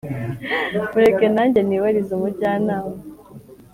mureke nange nibarize umujyanama.